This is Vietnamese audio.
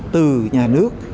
từ nhà nước